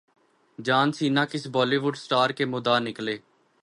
جان Cena کس Bollywood star کے مداح نکلے